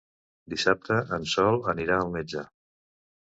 Dissabte en Sol anirà al metge.